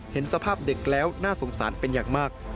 เห็นสภาพเด็กแล้วน่าสงสารเป็นอย่างมาก